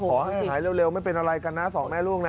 ขอให้หายเร็วไม่เป็นอะไรกันนะสองแม่ลูกนะ